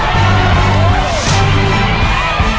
เพื่อชิงทุนต่อชีวิตสุด๑ล้านบาท